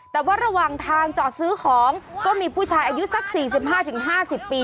แต่ว่าระหว่างทางจอดซื้อของก็มีผู้ชายอายุสัก๔๕๕๐ปี